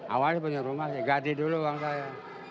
awalnya punya rumah ganti dulu uang saya